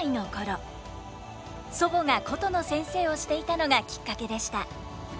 祖母が箏の先生をしていたのがきっかけでした。